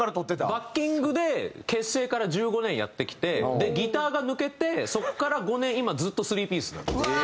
バッキングで結成から１５年やってきてギターが抜けてそこから５年今ずっと３ピースなんですよ。